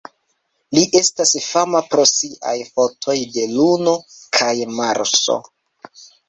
Li estas fama pro siaj fotoj de Luno kaj Marso.